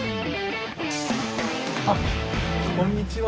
あっこんにちは。